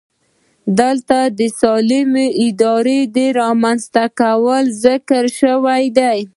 دلته د سالمې ادارې د رامنځته کولو ذکر شوی دی.